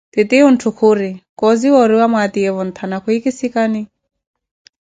Titiyunthu khuri, kosiwa oriwa mwatiyevo ntana khuhikussani.